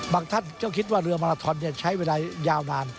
ท่านก็คิดว่าเรือมาราทอนใช้เวลายาวนาน